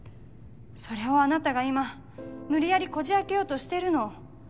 それをあなたが今無理やりこじ開けようとしてるの。